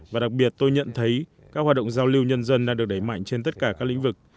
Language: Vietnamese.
và đặc biệt tôi nhận thấy các hoạt động giao lưu nhân dân đang được đẩy mạnh trên tất cả các lĩnh vực